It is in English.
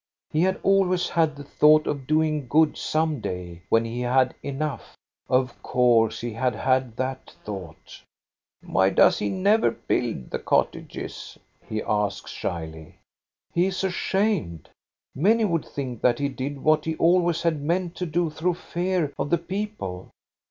He had always had the thought of doing good some day, when he had enough, — of course he had had that thought THE DROUGHT 383 " Why does he never build the cottages ?" he asks shyly. *' He IS ashamed. Many would think that he did what he always had meant to do through fear of the people."